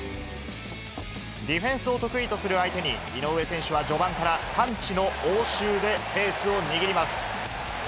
ディフェンスを得意とする相手に、井上選手は序盤からパンチの応酬でペースを握ります。